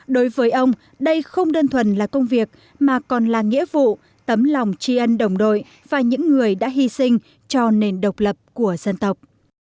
đối với ông đây không đơn thuần là công việc mà còn là nghĩa vụ tấm lòng tri ân đồng đội và những người đã hy sinh cho nền độc lập của dân tộc